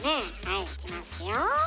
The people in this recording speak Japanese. はいいきますよ。